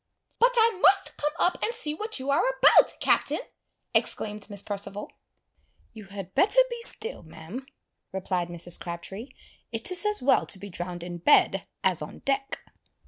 "But I must come up and see what you are about, Captain!" exclaimed Miss Perceval. "You had better be still, ma'am," replied Mrs. Crabtree. "It is as well to be drowned in bed as on deck."